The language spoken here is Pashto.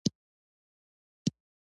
ته بايد مجازات شی